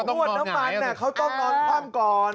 นวดน้ำมันนะเขาต้องนอนข้างก่อน